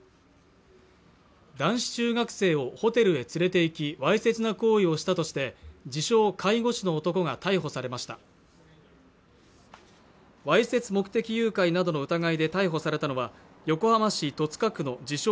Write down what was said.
男子中学生をホテルへ連れて行きわいせつな行為をしたとして自称介護士の男が逮捕されましたわいせつ目的誘拐などの疑いで逮捕されたのは横浜市戸塚区の自称